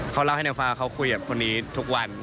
เขาเล่าให้นางฟังเขาคุยกับคนนี้ทุกวัน